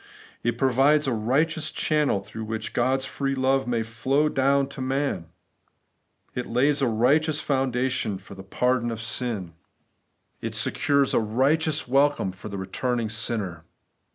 It provides a righteous channel through which God's free love may flow down to man. It lays a righteous foundation for the pardon r 100 The Everlasting Righteousness. of sin. It secures a righteous welcome for the re turning sinner.